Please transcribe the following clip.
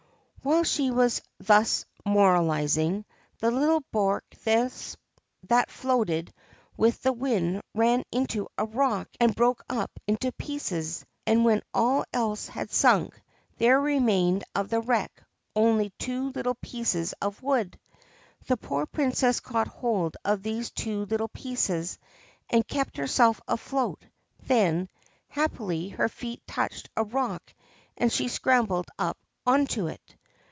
' While she was thus moralising, the little barque that floated with the wind ran into a rock and broke up into pieces, and, when all else had sunk, there remained of the wreck only two little pieces of wood. The poor Princess caught hold of these two little pieces and kept herself afloat ; then, happily, her feet touched a rock and she scrambled up on to it.